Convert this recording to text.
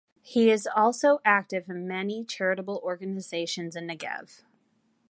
He is also active in many charitable organizations in the Negev.